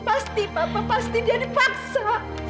pasti papa pasti dia dipaksa